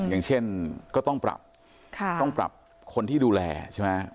อย่างเช่นก็ต้องปรับคนที่ดูแลใช่ไหม